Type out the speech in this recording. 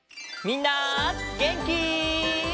みんなげんき？